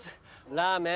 ラーメン？